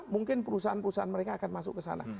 mungkin perusahaan perusahaan mereka akan masuk ke sana